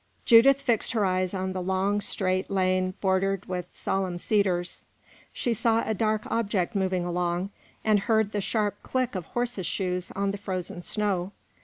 Judith fixed her eyes on the long, straight lane bordered with solemn cedars; she saw a dark object moving along, and heard the sharp click of horses' shoes on the frozen snow.